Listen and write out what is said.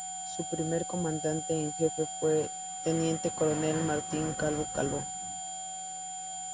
Su primer comandante en jefe fue el teniente coronel Martín Calvo Calvo.